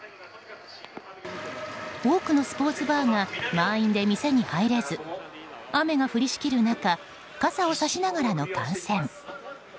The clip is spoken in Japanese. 多くのスポーツバーが満員で店に入れず雨が降りしきる中傘をさしながらの観戦。